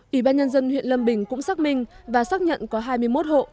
ủy ban nhân dân huyện lâm bình cũng xác minh và xác nhận có hai mươi một hộ